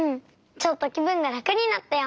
ちょっときぶんがらくになったよ。